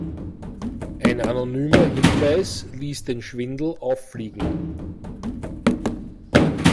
Ein anonymer Hinweis ließ den Schwindel auffliegen.